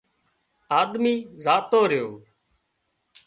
آۮمي زاتو ريو